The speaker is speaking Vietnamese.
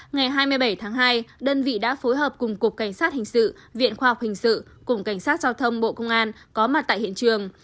ngày hai mươi bảy tháng hai đơn vị đã phối hợp cùng cục cảnh sát hình sự viện khoa học hình sự cùng cảnh sát giao thông bộ công an có mặt tại hiện trường